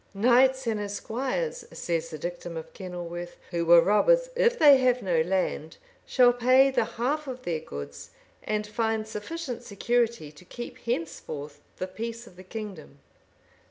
[*] "Knights and esquires," says the Dictum of Kenilworth, "Who were robbers, if they have no land, shall pay the half of their goods, and find sufficient security to keep henceforth the peace of the kingdom."